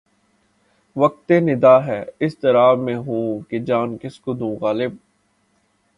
وقت نِدا ہے اضطراب میں ہوں کہ جان کس کو دوں غالب